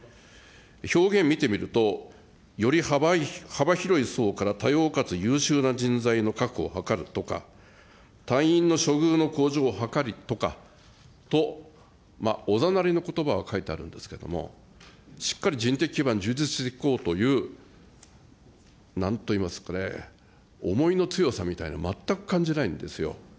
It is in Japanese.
表現見てみると、より幅広い層から多様かつ優秀な人材の確保を図るとか、隊員の処遇の向上を図りとか、と、おざなりのことばは書いてあるんですけれども、しっかり人的基盤、充実していこうという、なんと言いますかね、思いの強さみたいなの、全く感じないんですよ。